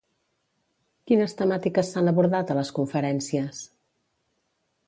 Quines temàtiques s'han abordat a les conferències?